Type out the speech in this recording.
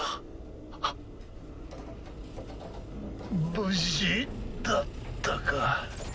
無事だったか？